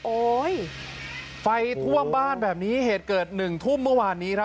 โอ้ยไฟท่วมบ้านแบบนี้เหตุเกิด๑ทุ่มเมื่อวานนี้ครับ